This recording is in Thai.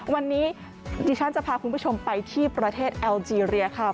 วันนี้ดิฉันจะพาคุณผู้ชมไปที่ประเทศแอลเจรียค่ะ